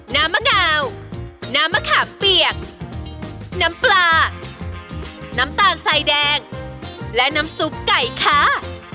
มะนาวน้ำมะขามเปียกน้ำปลาน้ำตาลใส่แดงและน้ำซุปไก่ค่ะ